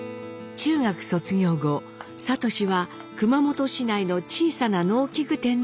中学卒業後智は熊本市内の小さな農機具店で働き始めます。